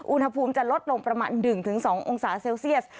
อุณหภูมิจะลดลงประมาณหนึ่งถึงสององศาเซลเซียส